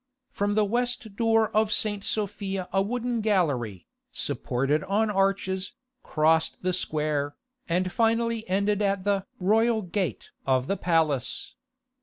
From the west door of St. Sophia a wooden gallery, supported on arches, crossed the square, and finally ended at the "Royal Gate" of the palace.